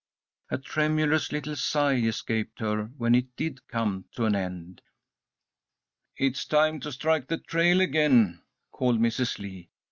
A tremulous little sigh escaped her when it did come to an end. "It's time to strike the trail again," called Mrs. Lee.